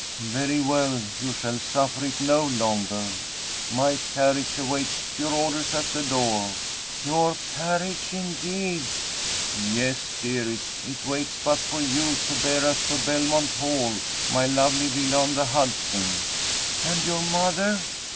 "Very well; you shall suffer it no longer. My carriage awaits your orders at the door." "Your carriage, indeed!" "Yes, dearest, it waits but for you, to bear us to Belmont Hall, my lovely villa on the Hudson." "And your mother?"